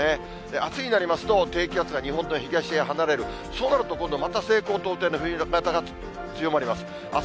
あすになりますと、低気圧が日本の東へ離れる、そうなるとまた、今度また西高東低の冬型が強まります。